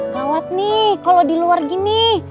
duh girls gawat nih kalau di luar gini